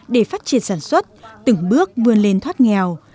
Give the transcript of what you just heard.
để phát triển sản xuất từng bước vươn lên thoát nghèo